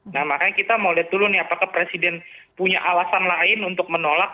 nah makanya kita mau lihat dulu nih apakah presiden punya alasan lain untuk menolak